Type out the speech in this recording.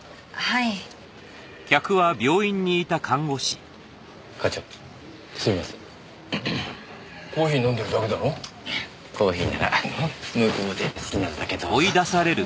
いやコーヒーなら向こうで好きなだけどうぞ。